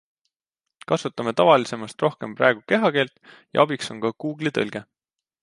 Kasutame tavalisemast rohkem praegu kehakeelt ja abiks on ka Google'i tõlge.